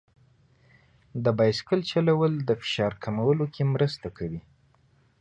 د بایسکل چلول د فشار کمولو کې مرسته کوي.